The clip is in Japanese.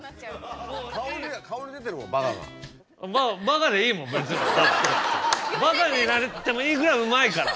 バカになってもいいぐらいうまいから。